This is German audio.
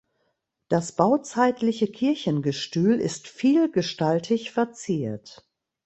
Das bauzeitliche Kirchengestühl ist vielgestaltig verziert.